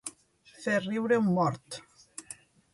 Fer riure un mort.